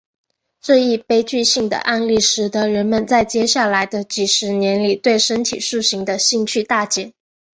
这一悲剧性的案例使得人们在接下来的几十年里对身体塑形的兴趣大减。